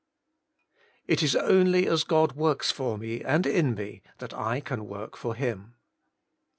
1. It is only as God works for me, and in me, that I can work for Him.